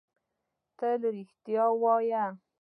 تل رېښتيا وايه